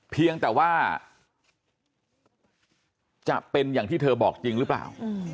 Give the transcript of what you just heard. เพียงแต่ว่าจะเป็นอย่างที่เธอบอกจริงหรือเปล่า